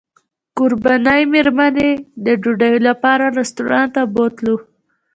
کوربنې مېرمنې د ډوډۍ لپاره رسټورانټ ته بوتلو.